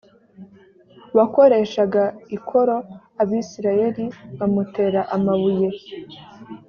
wakoreshaga ikoro abisirayeli bamutera amabuye